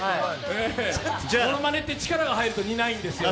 ものまねって力が入ると似ないんですね。